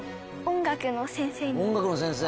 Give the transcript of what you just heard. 音楽の先生